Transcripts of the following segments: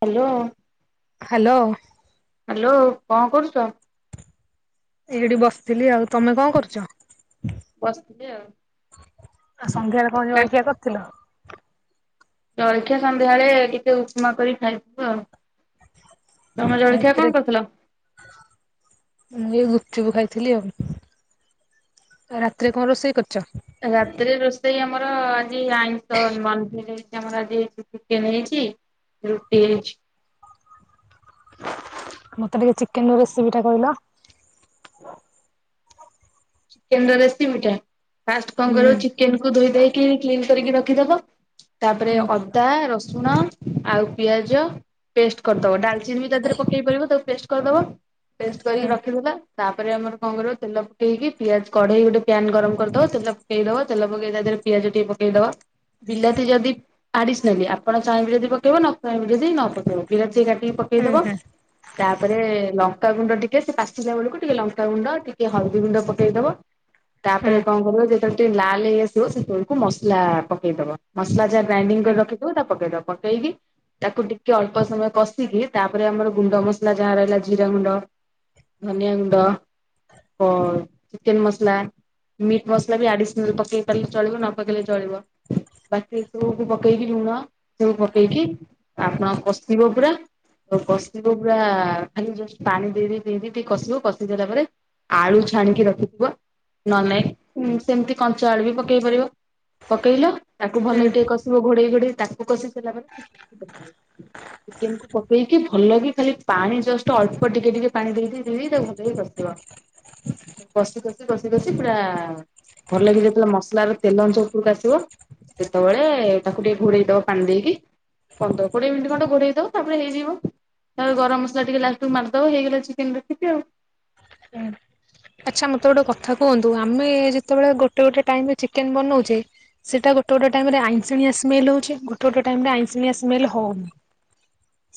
Hello. Hello. Hello କଣ କରୁଚ? ଏଇଠି ବସିଥିଲି। ଆଉ ତମେ କଣ କରୁଚ? ଆଉ ସନ୍ଧ୍ୟାରେ କଣ କା ଜଳଖିଆ କରିଥିଲ? ଜଳଖିଆ ସନ୍ଧ୍ୟାବେଳେ ଟିକେ ଉପମା କରି ଖାଇଥିଲୁ ଆଉ। ତମର ଜଳଖିଆ ରାତିରେ କଣ କରିଥିଲ? [unintelligible] ଖାଇଥିଲି ଆଉ। ରାତିରେ କଣ ରୋଷେଇ କରିଚ? ରାତିରେ ରୋଷେଇ ଆମର ଆଜି ଆଇଁଷ ମନ୍ଧରେ। ଆମର ଆଜି ହେଇଛି ଚିକେନ ହେଇଛି, ରୁଟି ହେଇଛି। ମତେ ଟିକେ ଚିକେନ ର ରେସିପି ଟା କହିଲ? ଚିକେନ ର ରେସିପିଟା, ଫାଷ୍ଟ କଣ କରିବ ଚିକେନକୁୁ ଧୋଇକି କ୍ଲିନ୍ କରିକି ର ରଖିଦବ ତାପରେ ଅଦା, ରସ ରସୁଣ ଆଉ ପିଆଜ ପେଷ୍ଟ କରିଦବ। ଡାଲଚିନି ବି ତା ଦେହରେ ପକେଇ ପାରିବ ତାକୁ ପେଷ୍ଟ କରିଦବ। ପେଷ୍ଟ କରିକି ରଖିଦେଲ। ତାପରେ ଆମର କଣ କର ତେଲ ପକେଇକି ପିଆଜ କଢେଇ ଗୋଟେ ପ୍ୟାନ୍ ଗରମ କରିଦବ। ତେଲ ପକେଇଦବ ତେଲ ପକେଇ ତାଦେହରେ ପିଆଜ ଟିକେ ପକେଇଦବ। ବିଲାତି ଯଦି ଆଡିସନାଲି ଆପଣ ଚାହିଁବେ ଯଦି ପକେଇବ। ନ ଚାହିଁବ ଯଦି ନ ପକେଇବ। ବିଲାତି ଯଦି କାଟିକି ପକେଇଦବା। ତାପରେ ଲଙ୍କା ଲଙ୍କା ଗୁଣ୍ଡ ଟିକେ ସେ ପାଚିଲା ବେଳକୁ ଟିକେ ଲଙ୍କାଗୁଣ୍ଡ ଟିକେ ହଳଦୀ ଗୁଣ୍ଡ ପକେଇଦବ। ତାପରେ କଣ କରିବ ଯେତେବେଳେ ଟିକେ ଲାଲ ହେଇ ଆସିବ ସେତେବେଳକୁ ମସଲା ପକେଇଦବ। ମସଲା ଯାହା ଗ୍ରାଇଣ୍ଡିଙ୍ଗ କରି ରଖିଦବ ତାକୁ ପକେଇଦବ। ପକେଇକି ତାକୁ ଟିକେ ଅଳ୍ପ ସମୟ କଷିକି ତାପରେ ଆମର ଗୁଣ୍ଡ ମସଲା ଯାହା ରହିଲା ଜିରା ଗୁଣ୍ଡ ଧନିଆ ଗୁଣ୍ଡ ଚିକେନ ମସଲା, ମିଟ୍ ମସଲା ବି ଆଡିସନାଲ ପକେଇଲେ ଚଳିବ ନ ପକେଇଲେ ଚଳିବ। ବାକି ଏ ସବୁୁ ପକେଇକି ଲୁଣ ସବୁ ପକେଇକି ଆପଣ କସିବ ପୁରା। କଷିବ ପୁରା ଖାଲି ପାଣି ଦେଇ ଦେଇ ଟିକେ କଷିବ। କଷିଦେଲା ପରେ ଆଳୁ ଛାଣିକି ରଖି ନହେଲେ ନାଇଁ ସେମତି କଞ୍ଚା ଆଳୁ ବି ପକେଇ ପାରିବ। ପକେଇଲ ତାକୁ ଭଲକି ଟିକେ କଷିବ ଘୋଡେଇ ଘୋଡେଇ। ତାକୁ କଷି ସାରିଲା ପରେ [inaudible] ଚିକେନ କୁ ପକେଇକି ଭଲକି ଖାଲି ପାଣି ଜଷ୍ଟ ଅଳ୍ପ ଟିକେ ଟିକେ ପାଣି ଦେଇ ଦେଇ ତାକୁ ଭଲକି କସିବ। କସି କସି କସି କସି ପୁରା ଭଲକି ଯେତେବେଳେ ମସଲାର ତେଲ ଅଂଶ ଉପରକୁ ଆସିବ। ସେତେବେଳେ ତାକୁ ଟିକେ ଘୋଡେଇ ଦବ ପାଣି ଦେଇକି। ପନ୍ଦର କୋଡିଏ ମିନିଟ୍ ଖଣ୍ଡେ ଘୋଡେଇ ଦବ ତାପରେ ହେଇଯିବ। ତାପରେ ଗରମ ମସଲା ଟିକେ ଲାଷ୍ଟକୁ ମାରିଦବ। ହେଇଗଲା ଚିକେନ ରେସିପି ଆଉ। ହୁଁ। ଆଚ୍ଛା ମତେ ଗୋଟେ କଥା କୁହନ୍ତୁ, ଆମେ ଯେତେବେଳେ ଗୋଟେ ଗୋଟେ ଟାଇମ୍ ରେ ଚିକେନ ବନଉଛେ। ସେଇଟା ଗୋଟେ ଗୋଟେ ଟାଇମ୍ ରେ ଆଇଁସିଣିଆ ସ୍ମେଲ ହଉଛି। ଗୋଟେ ଗୋଟେ ଟାଇମ୍ ରେ ଆଇଁଶିଣିଆ ସ୍ମେଲ ହଉନି।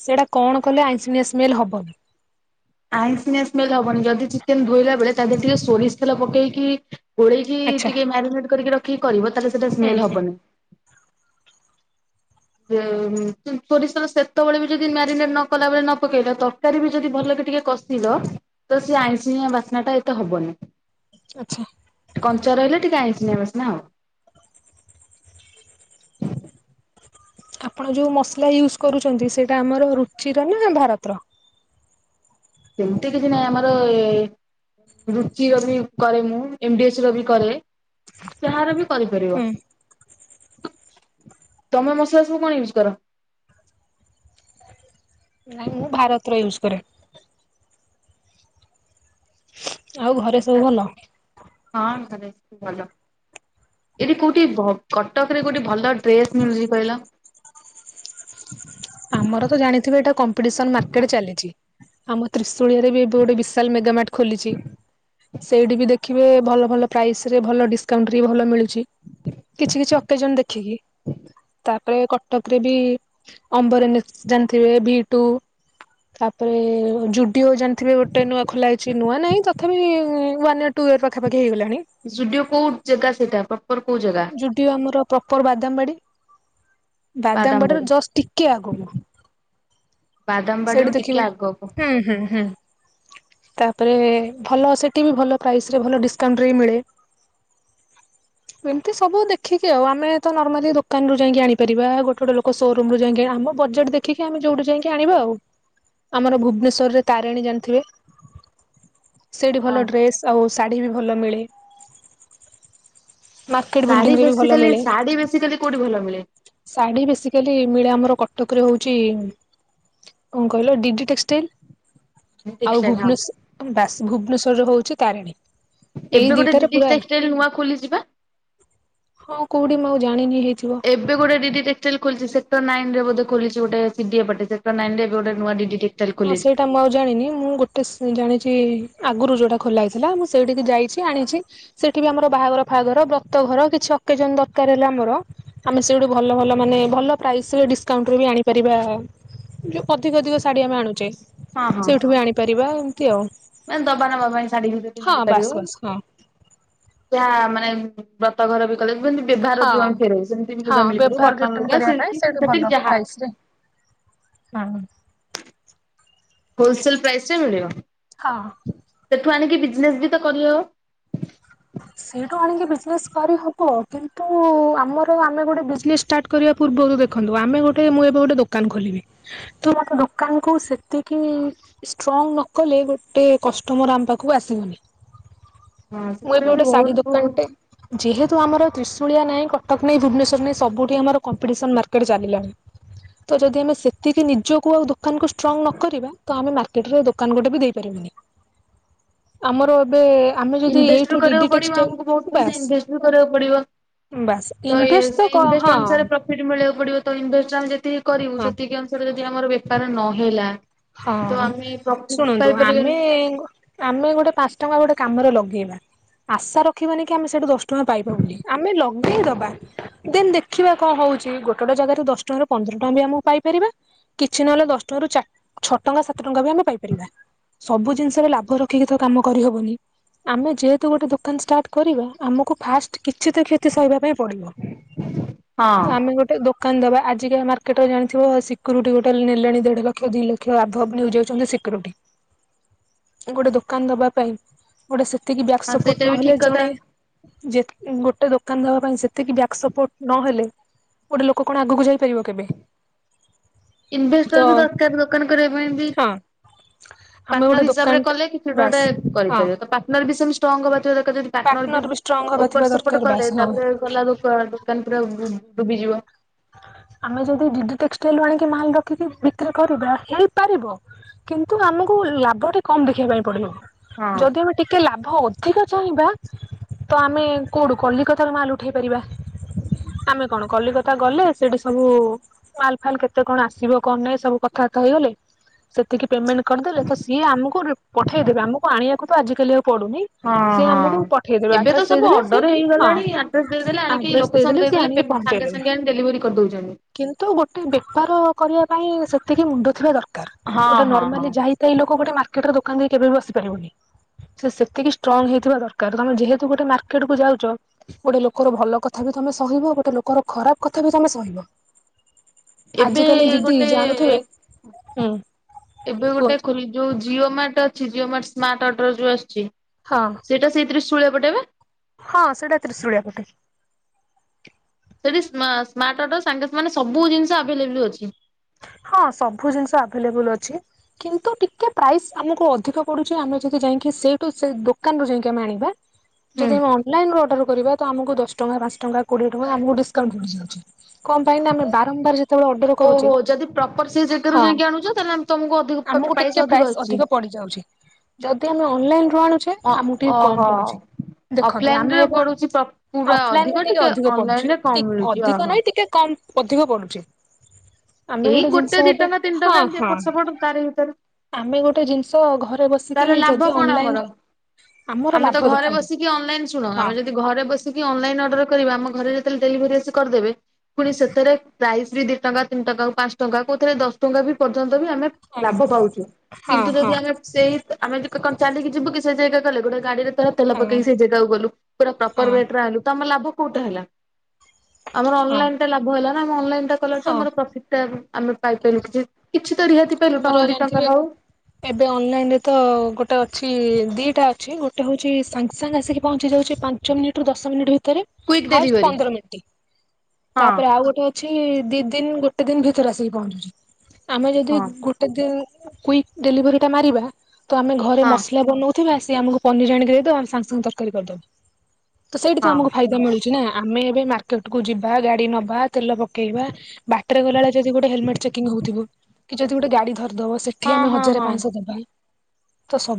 ସେଇଟା କଣ କଲେ ଆଇଁଷିଣିଆ ସ୍ମେଲ ହବନି। ଆଇଁଷିଣିଆ ସ୍ମେଲ ହବନି ଯଦି ଚିକେନ ଧୋଇଲା ବେଳେ ତା ଦେରେ ଟିକେ ସୋରିଷ ତେଲ ପକେଇକି ଓଳେଇକି ଆଚ୍ଛା ଟିକେ ମ୍ୟାରିନେଟ୍ କରିକି ରଖିକି କରିବ ତାହେଲେ ସେଟା ସ୍ମେଲ୍ ହବନି। ବ୍ୟମ୍ ସୋରିଷର ସେତବେଳେ ବି ଯଦି ମ୍ୟାରିନେଟ୍ ନ କଲା ବଳେ ନ ପକେଇଲ ତରକାରୀ ବି ଯଦି ଭଲ ଟିକେ କଷିଲ ତ ସେ ଆଇଁଷିନିଆ ବାସ୍ନା ଟା ଏତେ ହବନି। ଆଚ୍ଛା କଞ୍ଚା ରହିଲେ ଟିକେ ଆଇଁଶିନିଆ ବାସ୍ନା ହବ। ଆପଣ ଯୋଉ ମସଲା ୟୁଜ କରୁଛନ୍ତି ସେଇଟା ଆମର ରୁଚିର ନା ଭାରତର। ହଁ ହଁ ହ୍। ସେମିତି କିଛି ନାହିଁ ଆମରଏ। ରୁଚି ର ବି କରେ ମୁଁ ଏମ୍ ଡି ଏଚ ର ବି କରେ ଯାହାର ବି କରିପାରିବ। ହୁଁ। ତମେ ମସଲା ସବୁ କଣ ୟୁଜ କର? ଉପରେ। ଆଉ ଘରେ ସବୁ ଭଲ? ଆଜ୍ଞା ହଁ ଘରେ ଭଲ। ଏଠି କୋଉଠି ଭ କଟକ ରେ କୋଉଠି ଭଲ ଡ୍ରେସ ମିଳୁଛି କହିଲ? ଆମର ତ ଜାଣିଥିବେ ଏଟା କମ୍ପିଟିସନ୍ ମାର୍କେଟ୍ ଚାଲିଛି। ଆମତ୍ରୀ ଶୁଳିଆରେ ବି ଏବେ ଗୋଟେ ବିଶାଲ ମେଗାମାଟ ଖୋଲିଛି ସେଇଠି ବି ଦେ ଦେଖିବେ ଭଲ ଭଲ ପ୍ରାଇସେ ରେ ଭଲ ଡିସ୍କାଉଣ୍ଟି ବି ଭଲ ମିଳୁଛି। କିଛି କିଛି ଅକେଜନ ଦେଖିକି ତାପରେ କଟକରେ ବି ଅମ୍ବରେ ନିଷ୍ଟାନ ଥିବେ ଭି ଟୁ ତାପରେ ଜୁଡ୍ ଟିଓ ଜାଣିଥିବେ ଗୋଟେ ନୂଆ ଖୋଲାହେଇଛି ନୂଆ ନାହିଁ ତଥାପି ୱନୟର, ଟୁୟର ପାଖପାଖି ଯୁଡିଓ କୋଉ ଯେଗା ସେଟା ପପ ଯୁଡିଓ ଆମର ପ୍ରପର ବାଦାମ ବାଡି। ବାଦାମ ବାଡିର ବାଦାମବାଡି। ଜଷ୍ଟ ଟିକେ ଆଗକୁ। ବାଦାମବାଡିରୁ ସେଇଠି ଟିକେ ଦେଖିବ ଆଗକୁ ହୁଁ ହୁଁ ହୁଁ। ତାପରେ ଭଲ ସେଠି ବି ଭଲ ପ୍ରାଇସି ରେ ଭଲ ଡିସକାଉଣ୍ଟରେ ବି ମିଳେ। ହ୍ନ ହ୍ନ ଛୁକ। ଏମିତି ସବୁ ଦେଖିକି ଆଉ ଆମେ ତ ନର୍ମାଲି ଦୋକାନରୁ ଯାଇଁକି ଆଣିପାରିବା ଗୋଟେ ଗୋଟେ ଲୋକ ସୋରୁୁମ୍ ରୁ ଯାଇକି ଆମ ପର୍ଯ୍ୟଟ ଦେଖିକି ଆମେ ଯୋଉଠୁ ଯାଇକି ଆଣିଵୁ ଆଉ ଆମର ଭୁବନେଶ୍ଵରରେ ତାରିଣୀ ଜାଣିଥିବେ? ସେଇଠି ହଁ ଭଲ ଡ୍ରେସ୍ ଆଉ ଶାଢ଼ୀ ବି ଭଲ ମିଳେ। ମାର୍କେଟ ବିଲ୍ଡିଂରେ ବି ଶାଢୀବେସି ଭଲ କାଲି ମିଳେ। ଶାଢୀ ବେଶି କାଲି କୋଉଠି ଭଲ ମିଳେ? ଶାଢୀ ବେସିକାଲି ମିଳେ ଆମର କଟ କଟକରେ ହୋଉଛି କଣ କହିଲ ଡିଡି ଟେକ୍ସଟାଇଲ। ଆଉ ଟେକ୍ସଟାଇଲ ହଁ ଭୁବନେଶ ଆମ ବାସି ଭୁବନେଶ୍୍ୱରରେ ହୋଉଛି ତାରିଣୀ। ଏଇ ଏବେ ଗୋଟେ ଦିଟାରେ ଡିଡ଼ି ପୁରା ଟେକଷ୍ଟାଇଲି ନୂଆ ଖୋଲିଚିପା। ହଁ କୋଉଠି ମୁଁ ଆଉ ଜାଣି ଏବେ ଗୋଟେ ଡିଡି ଟେକ୍ସଟାଇଲ୍ ଖୋଲିଛି ସେଟର ନାଇନ ରେ ବୋଧେ ଖୋଲିଛି। ସିଏ ଗୋଟେ ସିଡିଏ ପଥଠେଇଛି, ସେକ୍ଟର ନାଇଁନିରେ ବି ଏବେ ଗୋଟେ ନୂଆ ଡିଦିଟେ ହଁ ସେଇଟା ମୁଁ ଆଉ ଜାଣିନି ମୁଁ ଗୋଟେସ ଜାଣିଚି। ଆଗରୁ ଯୋଉଟା ଖୋଲା ହେଇଥିଲା ମୁଁ ସେଇଠିକି ଯାଇଛି ଆଣିଛି। ସେଠି ବି ଆମର ବାହାଘର ଫାହାଘର ବ୍ରତ ଘର କିଛି ଅ କେଜନ ଦରକାର ହେଲେ ଆମର ଆମେ ସେଇଠୁ ଭଲ ଭଲ ମାନେ ଭଲ ପ୍ରାଇସିରେ ଡିସକାଉଟରେ ବି ଆଣିପାରିବା। ଯୋଉ ଅଧିକ ଅଧିକ ଶାଢ଼ୀ ଆମେ ଆଣୁଚେ ସେଇଠୁ ବି ଆଣିପାରିବା। ଆଉ ମ୍ୟାମ୍ ଦବା ନବା ପାଇଁ ଶାଢ଼ୀ ଗୋଟେ ଏଠି ହଁ ମିଳିପାରିବ ବାସ୍ ବାସ୍ ହଁ। ଯା ମାନେ ବ୍ରତ ଘର ବି। କଲେ ବନ୍ଦୀ ବ୍ୟବହାର ହଁ ଯଉ ଫେରେଇବେ ସେମିତି ବି ହଁ ଲୁଗା ମିଳିପାରିବ ବ୍ୟବହାର କଟନ୍ ରିଟର୍ଣ ଲୁଗା, କରିବା ପାଇଁ ସିଲିକ୍, ସେଇଠୁ ଭଲ ସିନ୍ଥେଟିକ୍ ଯାହା। ପ୍ରାଇସରେ ହଁ। ହୋଲସେଲପ୍ରାଇସ ରେ ମିଳିବ। ହଁ। ସେଠୁ ଆଣିକି ବିଜିନେସ ତ ବି କରିହବ। ସେଠୁ ଆଣିକି ବିଜନେସ୍ କରିହବ କିନ୍ତୁ ଆମର ଆମେ ଗୋଟେ ବିଜନେସ୍ ଷ୍ଟାର୍ଟ କରିବା ପୂର୍ବରୁ ଦେଖନ୍ତୁ। ଆମେ ଗୋଟେ ମୁଁ ଏବେ ଗୋଟେ ଦୋକାନ ଖୋଲିବି ତ ମୋତେ ଦୋକାନକୁ ସେତିକି ଷ୍ଟ୍ରଙ୍ଗ ନ କଲେ ଗୋଟେ କଷ୍ଟମର ଆମ ପାଖକୁ ଆସିବନି। ହଁ ମୁଁ ଏବେ ସେଥିପାଇଁ ବି ଗୋଟେ ଶାଢ଼ୀ ବହୁତ ଦୋକାନଟେ ଯେହେତୁ ଆମର ତ୍ରିଷ୍ କୁଳିଆ ନାହିଁ କଟକ ନାହିଁ ଭୁବନେଶ୍ୱର ନାହିଁ ସବୁଠି ଆମର କମ୍ପିଟିସନ୍ ମାର୍କେଟ୍ ଚାଲିଲାଣି। ତ ଯଦି ଆମେ ସେତିକି ନିଜକୁ ଆଉ ଦୋକାନ କୁ ଷ୍ଟ୍ରଙ୍ଗ ନକରିବା ତ ଆମେ ମାର୍କେଟରେ ଦୋକାନ ଗୋଟେ ବି ଦେଇପାରିବାନି। ଆମର ଏବେ ଆମେ ଯଦି ଏଇ ଇନଭେଷ୍ଟ କରିବାକୁ ପଡିବ ଆମକୁ ବହୁତ ପଇସା ଇନଭେଷ୍ଟ ବି କରିବାକୁ ପଡିବ। ବାସ୍ ତ ଏ ଇନଭେଷ୍ଟ ସେଇ କ ଇନଭେଷ୍ଟ ହଁ ଅନୁସାରେ ପ୍ରଫିଟ ମିଳକୁ ପଡିବ ତ ଇନଭେଷ୍ଟ ଆମେ ଯେତିକି କରିବୁ ହଁ ସେତିକି ଅନୁସାରେ ଯଦି ଆମ ବେପ ବେପାର ନହେଲା। ହଁ ତ ଆମେ ପ୍ରଫିଟ୍ ବି ଶୁଣନ୍ତୁ ପାଇପାରିବାନି। ଆମେ ଗୋ ଆମେ ଗୋଟେ ପାଞ୍ଚ ଟଙ୍କା ଗୋଟେ କାମରେ ଲ ଧେଇବା ଆଶା ରଖିବନି କି ଆମେ ସେଠୁ ଦଶ ଟଙ୍କା ପାଇବା ବୋଲି ଆମେ ଲଗେଇ ଦବା ଦେନ ଦେଖିବା କଣ ହଉଛି। ଗୋଟେ ଗୋଟେ ଯାଗାରୁ ଦଶ ଟଙ୍କାରୁ ପନ୍ଦର ଟଙ୍କା ଆମକୁ ପାଇପାରିବା କିଛି ନହଲେ ଦଶ ଟଙ୍କାରୁ ଚାରି ଛଅ ଟଙ୍କା ସାତ ଟଙ୍କା ବି ଆମେ ପାଇପାରିବା ସବୁ ଜିନିଷରେ ଲାଭ ରଖିକି ତ କାମ କରିହବନି। ଆମେ ଯେହେତୁ ଗୋଟେ ଦୋକାନ ଷ୍ଟାଟ କରିବା ଆମକୁ ଫାଷ୍ଟ କିଛି କ୍ଷତି ସହିବା ପାଇଁ ପଡିବ ହଁ। ତ ଆମେ ଗୋଟେ ଦୋକା ଦୋକାନ ଦବା ଆଜିର ମାର୍କେଟ ଜାଣିଥିବ ସିକ୍ୟୁରିଟି ଗୋଟେ ନେଲେଣି ଦେଡ ଲକ୍ଷ ଲକ୍ଷ ଦୁଇ ଲକ୍ଷ ଆଭବ ନେଇ ଯାଉଛନ୍ତି ସିକ୍ୟୁରିଟି। ଗୋଟେ ଦୋକାନ ଦବା ପାଇଁ ଗୋଟେ ସିକ୍ୟୁ ଏତିକି ବ୍ୟାକ୍ ହଁ ସପଟ ସେଇଟା ବି ନହେଲେ ଠିକ କଥା ଜଣେ ଯେତ ଗୋ ଗୋଟେ ଦୋକାନ ଦବା ପାଇଁ ସେତିକି ବ୍ୟାକ ସପୋର୍ଟ ନହେଲେ। ଗୋଟେ ଲୋକ କଣ ଆଗକୁ ଯାଇପାରିବ କେବେ? ତ ଇନଭେଷ୍ଟର ବି ଦରକାର ଦୋକାନ କରିବା ପାଇଁ ବି ହଁ ଆମେ ପାଟନର ଗୋଟେ ଦୋକାନ ହିସାବରେ କଲେ କିଛି ବାସ୍ ଗୋଟେ ହଁ କରିପାରିବ ତ ପାଟନର ସେ ବି ଷ୍ଟଙ୍ଗ ହେଵା ତ ଯଦି ପାର୍ଟନର ବି ଷ୍ଟ୍ରଙ୍ଗ ହବା ଥିବା ଉପର ସେପଟ ଦରକାର କଲେ ବାସ୍ ହଁ। ତାପରେ ଗଲା ଦୋକାନ ଦୋକାନ ପୁରା ଉବୁ ଡୁବି ଯିବ। [inaudible] ଆମେ ଯଦି ଡିଡି ଟେକ୍ସଟାଇଲ ଆଣିକି ମାଲ ରଖିକି ବିକ୍ରି କରିବା ହେଇପାରିବ କିନ୍ତୁ ଆମକୁ ଲାଭ କମ ଦେଖିବାକୁ ପଡିବ ହଁ ଯଦି ଆମେ ଲାଭ ଲାଭ ଅଧିକ ଚାହିଁବା ତ ଆମେ କୋଉଠୁ କଲିକତାରୁ ମାଲ ଉଠେଇ ପାରିବା। ଆମେ କଣ କଲିକ କଲିକତା ଗଲେ ସେଠି ସବୁ ମାଲଫାଲ କେତେ କଣ ଆସିବ କଣ ନାହିଁ ସବୁ କଥାବାର୍ତ୍ତା ହେଇଗଲେ। ସେତିକି ପେମେଣ୍ଟ କରିଦେଲେ ତ ସିଏ ଆମକୁ ରି ପଠେଇଦେବେ ଆମକୁ ଆଣିବାକୁ ତ ଆଜିିକାଲି ଆଉ ପଡୁନି। ହଁ ସିଏ ହଁ। ଆମକୁ ପଠେଇଦେବେ ଏବେ ତ ଆଡ୍ରେସ ସବୁ ଦେଇଦେଲେ ସେ ଅର୍ଡର ହଁ ହେଇଗଲାଣି ଆଡ୍ରେସ ଦେଇଦେଲେ ଆଣିକି ଆଡ୍ରେସ ଲୋକେସନ ଦେଇଦଲେ ସିଏ ଦେଇଦେଲେ ପେ ଆଣିକି ପହଁ ସାଙ୍ଗେ ଞ୍ଚେଇଦେବି ସାଙ୍ଗେ ଆଣି ଡେଲିଭରି କରିଦଉଛନ୍ତି। କିନ୍ତୁ ଗୋଟେ ବେପାର କରିବା ପାଇଁ ସେତିକି ମୁଣ୍ଡ ଥିବା ଦରକାର ହଁ ଗୋଟେ ହଁ ହଁ ନର୍ମାଲି ଯାଇ ଗୋଟେ କାହିଁନା କେବେ ବସି ପାରିବୁନି। ସେ ସେତିକି ଷ୍ଟ୍ରଙ୍ଗ ହେଇଥିବା ଦରକାର ତମେ ଯେହେତୁ ଗୋଟେ ମାର୍କେଟକୁ ଯାଉଛ ଗୋଟେ ଲୋକର ଭଲ କଥା ତମେ ସହିବ ଗୋଟେ ଲୋକର ଖରାପ କଥା ବି ତମେ ସହିବ। ଏବେ ଆଜିକାଲି ଦିଦି ଗୋଟେ ଜାଣୁଥିବେ ହୁଁ ଏବେ ଗୋଟେ କୁହନ୍ତୁ ଖୋଲି ଯୋଉ ଜିଓ ମାର୍ଟ ଅଛି ଜିଓ ମାର୍ଟ- ସ୍ମାର୍ଟ ଅଡର ଯୋଉ ଆସୁଛି ହଁ। ସେଇଟା ସେଇ ଶୂଳିଆ ପଟେ ପା? ହଁ ସେଟା ତ୍ରିଶୁଳିଆ ପଟେ। ସେଠି ସ୍ମା ସ୍ମାର୍ଟଅଡର ସାଙ୍ଗେ ମାନେ ସବୁ ଜିନିଷ ଆଭେଲେବୁଲୁ ଅଛି। ହଁ ସବୁ ଜିନିଷ ଆଭେଲେବୁଲୁ ଅଛି। କିନ୍ତୁ ଟିକେ ପ୍ରାଇସ୍ ଆମକୁ ଅଧିକ ପଡୁଛି ଆମେ ଯଦି ଯାଇକି ସେଇଠୁ ସେ ଦୋକାନ ରୁ ଯାଇକି ଆମେ ଆଣିବା। ହୁଁ ଯଦି ଆମେ ଅନଲାଇନରୁ ଅର୍ଡର କରିବା। ତ ଆମକୁ ଦଶ ଟଙ୍କା ପାଞ୍ଚ ଟଙ୍କା କୋଡିଏ ଟଙ୍କା ଆମକୁ ଡିସକାଉଣ୍ଟ ମିଳିଯାଉଛି କଣ ପାଇଁ ଆମେ ବାରମ୍ବାର ଯେତେବେଳେ ଅର୍ଡର କରୁଚେ ଓହୋ ଯଦି ପ୍ରପର ସେ ଜାଗାରୁ ଯାଇକି ଆଣୁଛ ତାଲେ ତମକୁ ଅଧିକ ଆମକୁ ପ୍ରାଇସ୍ ଟିକେ ଅଧିକ ଆସୁଛି। ପଡିଯାଉଛି। ଯଦି ଆମେ ଅନଲାଇନରୁ ଆଣୁଛେ ଆମକୁ ଟିକେ କମ ଓହୋ। ପଡୁଛି। ଦେଖନ୍ତୁ ଅଫଲାଇନ ଆମେ ରେ ଏବେ ପଡୁଛି ପ୍ର ପୁରା ଅଧିକ ଅଫଲାଇନରେ ଟିକେ ଅଧିକ ଅନଲାଇନ ପଢୁଛି ରେ କମ ମିଳୁଛି ଅଧିକ ଓହୋ। ନାହିଁ ଟିକେ କମ୍ ଅଧିକ ପଡୁଛି। ଆମେ ଏଇ ଗୋଟେ ଜିନିଷ ଦି ଏବେ ଟଙ୍କା ତିନି ହଁ ଟଙ୍କା ଏମିତି ହଁ ଏପଟ ସେପଟ ତାରି ଆମେ ଗୋଟେ ଜିନିଷ ଘରେ ବସିକି ତାହାଲେ ଯଦି ଲାଭ କଣ ଆମର? ଅନଲାଇନରେ ଆମର ଆମେ ତ ଲାଭ ଘରେ ଦେଖନ୍ତୁ ବସିକି ଅନଲାଇନ ଶୁଣ ଆମେ ହଁ ଯଦି ଘରେ ବସିକି ଅନଲାଇନ ଅର୍ଡର କରିବା ଆମ ଘରେ ଯେତେବେଳେ ଡେଲିଭରି ଆସି କରିଦେବେ। ପୁଣି ସେଥିରେ ପ୍ରାଇସ୍ ବି ଦି ଟଙ୍କା ତିନି ଟଙ୍କା ପାଞ୍ଚ ଟଙ୍କା କଉଥିରେ ଦଶ ଟଙ୍କା ବି ପର୍ଯ୍ୟନ୍ତ ବି ଆମେ ହଁ ଲାଭ ପାଉଛୁ ହଁ କିନ୍ତୁ ହଁ ଯଦି ଆମେ ସେଇ ଆମେ [unintelligible] କଣ ଚାଲିକି ଯିବୁ କି ସେ ଜାଗା ଗଲେ ଗୋଟେ ଗାଡିରେ ତେଲ ହଁ ପକେଇକି ସେ ଜାଗାକୁ ଗଲୁ ପୁରା ପ୍ରପର ହଁ ୱେଟ୍ ର ଆଣିଲୁ ତ ଆମର ଲାଭ କୋଉଟା ହେଲା? ଆମର ହଁ ଅନଲାଇନ ଟା ଲାଭ ହେଲା ନା ଆମ ଅନଲାଇନ ଟା କଲାଠୁ ହଁ ଆମର ପ୍ରଫିଟା ଆମେ ପାଇପାରିଲୁ କିଛି କିଛି ତ ରିହାତି ପାଇଲୁ ଆମର ଟଙ୍କା ଦି ଟଙ୍କା ଜାଣିଥିବେ ହଉ। ଏବେ ଅନଲାଇନ ରେ ତ। ଗୋଟେ ଅଛି ଦିଇଟା ଅଛି ଗୋଟେ ହେଉଛି ସାଙ୍ଗେ ସାଙ୍ଗେ ଆସିକି ପହଞ୍ଚି ଯାଉଛି ପାଞ୍ଚ ମିନିଟ ରୁ ଦଶ ମିନିଟ୍ ଭି ତରେ କୁଇକ୍ ହାଏଷ୍ଟ ଡେଲିଭରି ପନ୍ଦର ମିନିଟ୍ ହଁ ତାପରେ ଆଉ ଗୋଟେ ଅଛି ଦି ଦିନ ଗୋଟେ ଦିନ ଭିତରେ ଆସିକି ପହଞ୍ଚୁଛ ଆମେ ଯଦି ହଁ ଦି କୁଇକ ଡେଲିଭରି ଟା ମାରିବା ତ ଆମେ ଘରେ ହଁ ମସଲା ବନଉ ଥି ରୁ ଆସି ଆମକୁ ପନିର ଆଣିକି ଦେଇ ଦବ ଆମେ ସାଙ୍ଗେ ସାଙ୍ଗେ ତରକାରୀ କରିଦବୁ ତ ସେଇଠି ତ ହଁ ଆମକୁ ଫାଇଦା ମିଳି ଚି ନା ଆମେ ଏବେ ମାର୍କେଟ କୁ ଯିବା ଗାଡି ନବା ତେଲ ପକେଇବା ବାଟରେ ଗଲାବେଳେ ଯଦି ଗୋଟେ ହେଲମେଟ ଚେକିଂ ହଉଥିବ କି ଯଦି ଗୋଟେ ଗାଡି ଧରିଦବ ସେଠି ହଁ ଆମେ ହଁ ହଜାର ହଁ ପାଞ୍ଚଶହ ଦବା।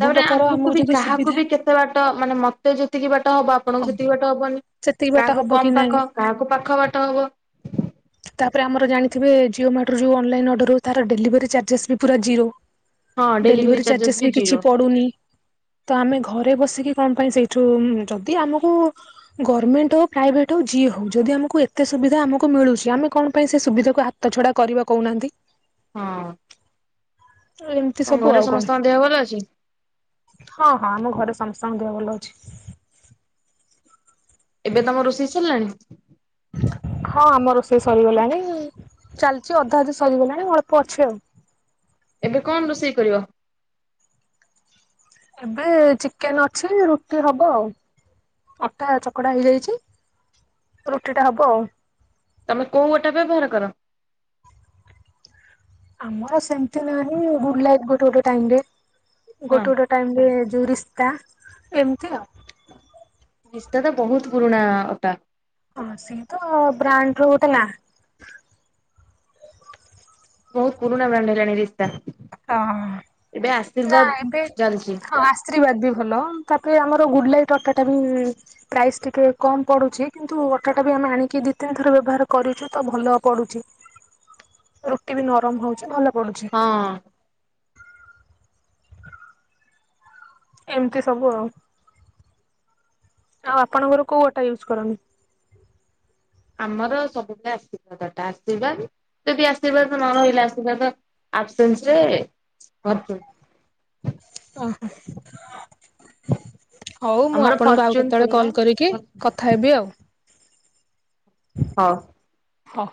ତାପରେ ଆମକୁ ବି କାହାକୁ ସୁବିଧା ବି କେତେ ବାଟ ମାନେ ମତେ ଯେତିକି ବାଟ ହବ ଆପଣଙ୍କୁ ହଁ ସେତିକି ବାଟ ହବନି। ସେତିକି ବାଟ କାହାକୁ ହବ କି କମ ନାଇଁ ପାଖ କାହାକୁ ପାଖ ବାଟ ହବ। ତାପରେ ଆମର ଜାଣିଥିବେ ଜିଓମାଟରୁ ଯେଉଁ ଅନଲାଇନ ଅର୍ଡର ହଉଚି ତାର ଡେଲିଭରି ଚାର୍ଜେସ୍ ବି ପୁରା ଜିରୋ। ହଁ ଡେଲିଭରି ଡେଲିଭେରି ଚାର୍ଜେସ୍ ବି କିଛି ଜିରୋ। ପଡୁନି ତ ଆମେ ଘ ଘରେ ବସିକି କଣ ପାଇଁ ସେଇଠୁ ଯଦି ଆମକୁ ଗରମେଣ୍ଟ ହଉ ପ୍ରାଇଭେଟ ହଉ ଯିଏ ହଉ ଯଦି ଯି ଆମକୁ ଏତେ ସୁବିଧା ଆମକୁ ମିଳୁଛି ଆମେ କଣ ପାଇଁ ସେ ସୁବିଧାକୁ ହାତଛଡା କରିବା କହୁନାହାନ୍ତି? ହଁ। ତ ଏମିତି ତମ ସବୁ ଘରେ ଆଉ କଣ ସମସ୍ତଙ୍କ ଦେହ ଭଲ ଅଛି? ହଁ। ହଁ ଆମ ଘରେ ସମସ୍ତଙ୍କ ଦେହ ଭଲ ଅଛି। ଏବେ ତମ ରୋଷେଇ ସରିଲାଣି? ହଁ ଆମ ରୋଷେଇ ସରିଗଲାଣି। ଚାଲିଛି ଅଧା ଅଧି ସରିଗଲାଣି ଅଳ୍ପ ଅଛି ଆଉ। ଏବେ କଣ ରୋଷେଇ କରିବ? ଏବେ ଚିକେନ ଅଛି ରୁଟି ହବ ଆଉ। ଅଟା ଚକଟା ହେଇଯାଇଛି ରୁଟି ଟା ହବ ଆଉ। ତମେ କଉ ଅଟା ବ୍ୟବହାର କର? ଆମର ସେମତି ନାହିଁ ଗୁଡ ଲାଇଟ ଗୋଟେ ଗୋଟେ ଟାଇମ ରେ ହଁ ଗୋଟେ ଗୋଟେ ଟାଇମ ରେ ଜୁଉ ରିସ୍କା ଏମିତି ଆଉ। ରାସ୍ତା ତ ବହୁତ ପୁରୁଣା ଓଟା। ହଁ ସେ ତ ବ୍ରାଣ୍ଡ ର ଗଟେ ନା। ବହୁତୁ ପୁରୁଣା ବ୍ରାଣ୍ଡ ହେଲାଣି ରିଷ୍ତା। ହଁ। ନା ଏବେ ଚାଲିଛି ହଁ ଆଶୀର୍ବାଦ ବି ଭଲ ତାପରେ ଆମର ଗୁଡ୍ ଲାଇଟ୍ ଅଟାଟା ବି ପ୍ରାଇସ୍ ଟିକେ କମ୍ ପଡୁଛି କିନ୍ତୁ ଅଟାଟା ବି ଆମେ ଆଣି ଦିି ତିନଥର ବ୍ୟବହାର କରିଛୁ ତ ଭଲ ପଡୁଛି ରୁଟି ବି ନରମ ହଉଛି ଭଲ ପଡୁଛି ହଁ। ଏମିତି ସବୁ ଆଉ। ଆଉ ଆପଣଙ୍କର କୋଉ ଅଟା ୟୁଜ୍ କରନ୍ତି। ଆମର ସବୁବେଳେ ଆଶୀର୍ବାଦ ଅଟା ଆଶୀର୍ବାଦ ଯଦି ଆଶୀର୍ବାଦ ନ ରହିଲା ଆଶୀର୍ବାଦ ଆପସେନ୍ସ ରେ ଭରପୁର। [inaudible] ଓଃ ହଉ ମୁଁ ଆମର ଆପଣଙ୍କୁ ଆଉ ଫର୍ଚୁନ କେତେବେଳେ ତେଲ କଲ କରିକି କଥା ହେବି ଆଉ। ହଁ। ହ।